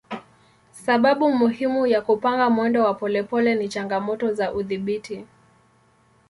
Sababu muhimu ya kupanga mwendo wa polepole ni changamoto za udhibiti.